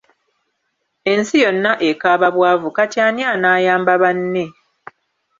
Ensi yonna ekaaba bwavu kati ani anaayamba banne?